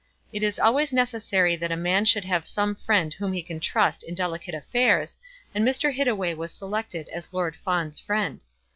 It is always necessary that a man should have some friend whom he can trust in delicate affairs, and Mr. Hittaway was selected as Lord Fawn's friend.